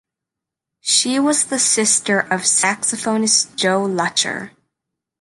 She was the sister of saxophonist Joe Lutcher.